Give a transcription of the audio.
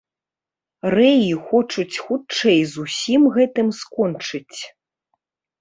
Рэі хочуць хутчэй з усім гэтым скончыць.